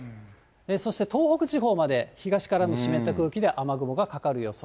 そして、東北地方まで東からの湿った空気で雨雲がかかる予想。